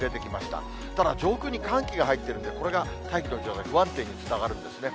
ただ、上空に寒気が入ってるんで、これが大気の状態、不安定につながるんですね。